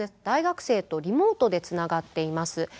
大学生とリモートでつながっています。